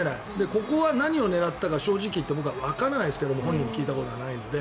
ここは何を狙ったか正直言って僕はわからないですけど本人に聞いたことがないので。